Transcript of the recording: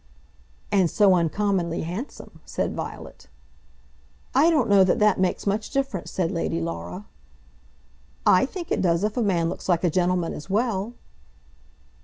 "And so uncommonly handsome," said Violet. "I don't know that that makes much difference," said Lady Laura. "I think it does if a man looks like a gentleman as well."